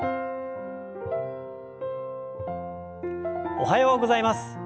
おはようございます。